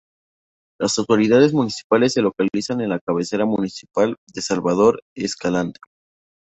Las autoridades municipales se localizan en la cabecera municipal de Salvador Escalante.